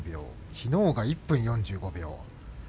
きのうが１分４５秒。